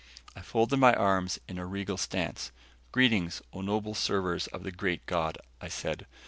I folded my arms in a regal stance. "Greetings, O noble servers of the Great God," I said.